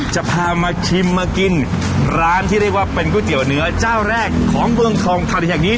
จะพามาชิมมากินร้านที่เป็นก๋วยเตี๋ยวเนื้อเจ้าแรกของเมืองทองทางโดยอย่างนี้